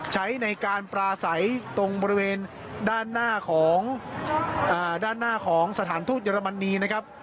ใช้ในการปลาใสตรงบริเวณด้านหน้าของด้านหน้าของสถานทูตเยอรมนีนะครับ